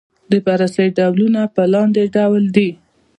د بررسۍ ډولونه په لاندې ډول دي.